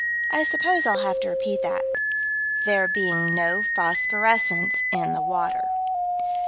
I suppose I'll have to repeat that: "... there being no phosphorescence in the water."